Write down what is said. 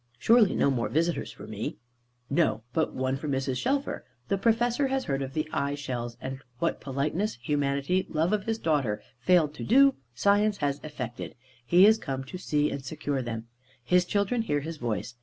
Surely no more visitors for me. No; but one for Mrs. Shelfer. The Professor has heard of the eyeshells; and what politeness, humanity, love of his daughter failed to do, science has effected. He is come to see and secure them. His children hear his voice.